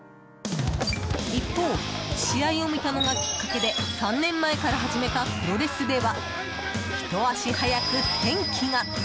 一方、試合を見たのがきっかけで３年前から始めたプロレスではひと足早く転機が。